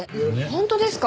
本当ですか！？